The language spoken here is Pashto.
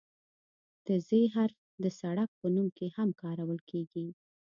د "ذ" حرف د سړک په نوم کې هم کارول کیږي.